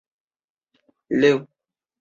实验室中用萤石和浓硫酸来制造氢氟酸。